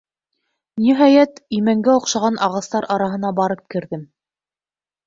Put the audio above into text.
Ниһайәт, имәнгә оҡшаған ағастар араһына барып керҙем.